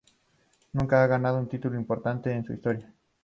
Nunca ha ganado un título importante en su historia.